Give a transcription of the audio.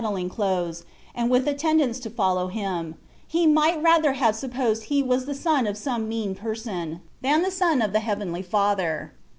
dling clothes, and with attendants to follow Him, He might rather have supposed He was the Son of some mean person, than the Son of the Heavenly Father.